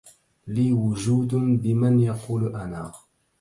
لي وجود بمن يقول أنا